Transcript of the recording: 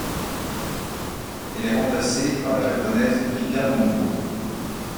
Elle est remplacée par la japonaise Rika Hongo.